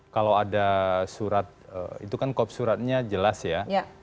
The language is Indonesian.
kalau ada surat itu kan kopsuratnya jelas ya